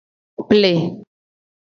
Ple.